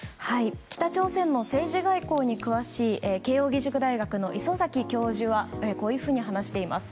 北朝鮮の政治・外交に詳しい慶應義塾大学の礒崎教授はこういうふうに話しています。